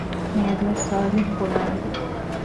މިއަދުވެސް ސާލިހް ބުނާނެ